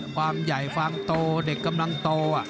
ความใหญ่ฟางโตเด็กกำลังโต